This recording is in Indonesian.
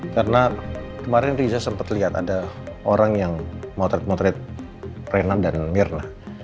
karena kemarin riza sempat lihat ada orang yang motret motret renan dan mirna